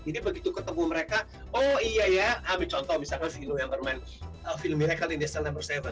jadi begitu ketemu mereka oh iya ya ambil contoh misalkan vino yang bermain film miracle in the cell no tujuh